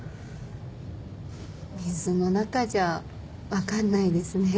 水の中じゃ分かんないですね。